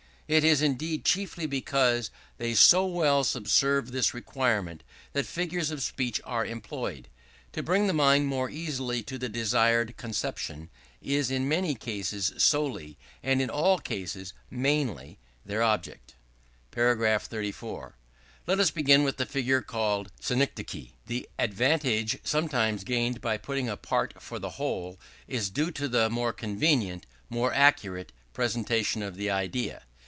It is indeed chiefly because they so well subserve this requirement, that figures of speech are employed. To bring the mind more easily to the desired conception, is in many cases solely, and in all cases mainly, their object. § 34. Let us begin with the figure called Synecdoche. The advantage sometimes gained by putting a part for the whole, is due to the more convenient, or more accurate, presentation of the idea.